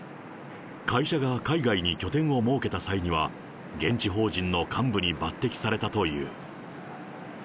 会社が海外に拠点を設けた際には、現地法人の幹部に抜てきされたという。